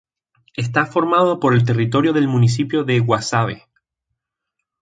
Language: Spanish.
Está formado por el territorio del Municipio de Guasave.